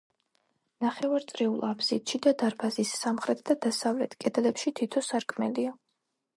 ნახევარწრიულ აფსიდში და დარბაზის სამხრეთ და დასავლეთ კედლებში თითო სარკმელია.